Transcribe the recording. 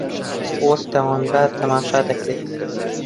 وەک تاوانبار تەماشا دەکرێ